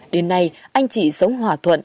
đến nay anh chị sống hòa thuận